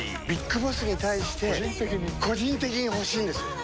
ビッグボスに対して個人的に欲しいんです。